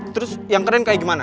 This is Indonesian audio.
terus yang keren kayak gimana